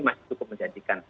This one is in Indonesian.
masih cukup menjadikan